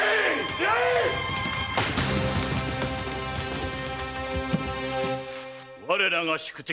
出会え‼我らが宿敵